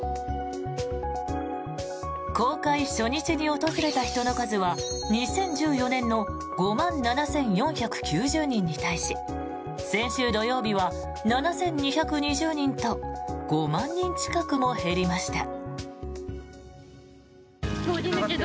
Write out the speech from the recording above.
公開初日に訪れた人の数は２０１４年の５万７４９０人に対し先週土曜日は７２２０人と５万人近くも減りました。